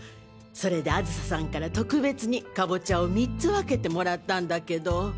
それで梓さんから特別にカボチャを３つ分けてもらったんだけど。